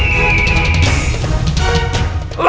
pergi ke melayu